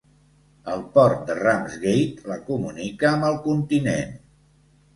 El port de Ramsgate la comunica amb el continent.